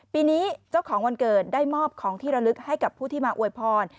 ปีนี้เจ้าของวันเกิดได้มอบของที่ระลึกให้กับผู้ที่มาอวยพร